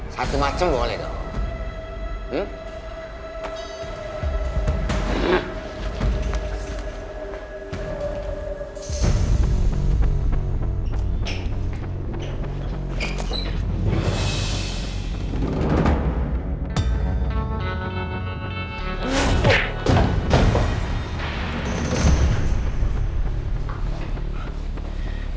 satu macam boleh dong